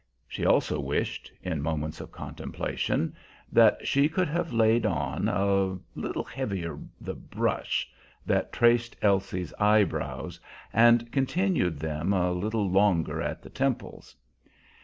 She also wished, in moments of contemplation, that she could have laid on a little heavier the brush that traced Elsie's eyebrows, and continued them a little longer at the temples.